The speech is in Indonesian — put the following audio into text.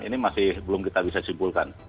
ini masih belum kita bisa simpulkan